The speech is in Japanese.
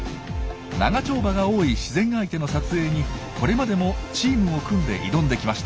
長丁場が多い自然相手の撮影にこれまでもチームを組んで挑んできました。